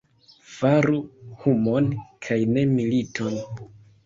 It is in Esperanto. Faru humon kaj ne militon!